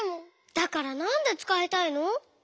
だからなんでつかいたいの？